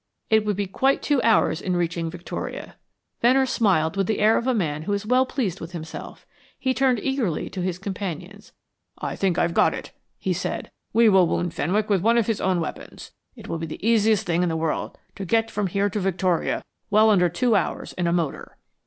It would be quite two hours in reaching Victoria. Venner smiled with the air of a man who is well pleased with himself. He turned eagerly to his companions. "I think I've got it," he said. "We will wound Fenwick with one of his own weapons. It will be the easiest thing in the world to got from here to Victoria well under two hours in a motor."